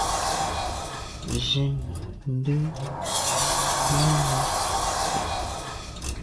Zin nde nène.